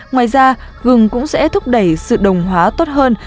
ngoài ra goog cũng sẽ thúc đẩy sự đồng hóa tốt hơn